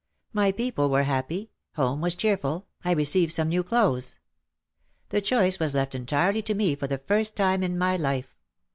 My people were happy, home was cheerful, I received some new clothes. The choice was left entirely to me for the first time in my life.